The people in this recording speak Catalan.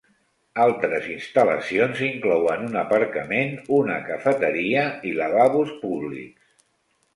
Altres instal·lacions inclouen un aparcament, una cafeteria i lavabos públics.